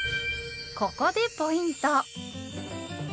ここでポイント！